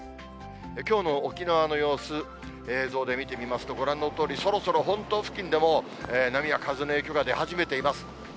きょうの沖縄の様子、映像で見てみますと、ご覧のとおり、そろそろ本島付近でも波や風の影響が出始めています。